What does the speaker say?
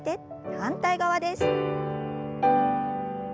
反対側です。